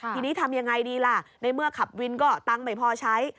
ทีนี้ทำยังไงดีล่ะในเมื่อขับวินก็ตังค์ไม่พอใช้